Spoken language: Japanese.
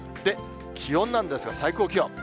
気温なんですが、最高気温。